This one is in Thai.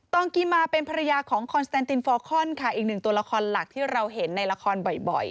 องกิมาเป็นภรรยาของคอนสแตนตินฟอร์คอนค่ะอีกหนึ่งตัวละครหลักที่เราเห็นในละครบ่อย